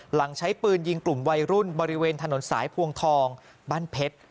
ใช้ปืนยิงกลุ่มวัยรุ่นบริเวณถนนสายพวงทองบ้านเพชร